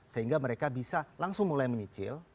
sehingga mereka bisa langsung mulai menyicil